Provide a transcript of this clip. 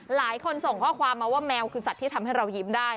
ส่งข้อความมาว่าแมวคือสัตว์ที่ทำให้เรายิ้มได้